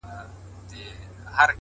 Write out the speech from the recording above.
باندي شعرونه ليكم،